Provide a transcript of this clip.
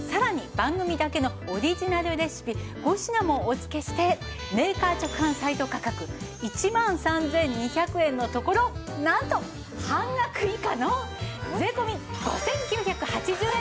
番組だけのオリジナルレシピ５品もお付けしてメーカー直販サイト価格１万３２００円のところなんと半額以下の税込５９８０円です！